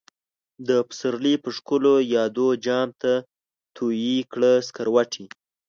دپسرلی په ښکلو يادو، جام ته تويې کړه سکروټی